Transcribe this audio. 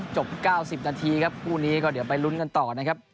จบ๙๐นาทีครับคู่นี้ก็เดี๋ยวไปลุ้นกันต่อนะครับ